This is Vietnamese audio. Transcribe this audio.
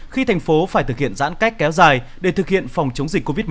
khi thành phố phải thực hiện giãn cách kéo dài để thực hiện phòng chống dịch covid một mươi chín